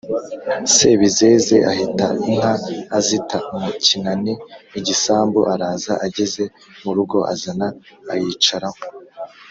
Sebizeze ahita inka azita mu kinani(igisambu) araza, ageze mu rugo azana ayicaraho